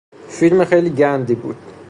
فیلم خیلی گندی بود.